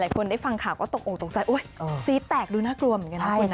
หลายคนได้ฟังข่าวว่าตกตกใจอุ๊ยซีฟแตกดูน่ากลัวเหมือนกันนะ